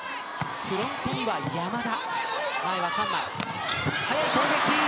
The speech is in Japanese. フロントには山田。